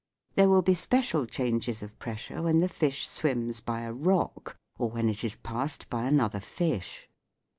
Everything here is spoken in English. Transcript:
There will be special changes of pressure when the fish swims by a rock, or when it is passed by another fish.